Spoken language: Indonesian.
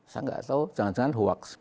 saya enggak tahu jangan jangan huwaks